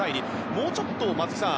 もうちょっと、松木さん